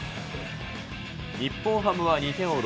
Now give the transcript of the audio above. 日本ハムは２点を追う